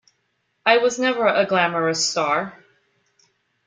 I was never a glamorous star..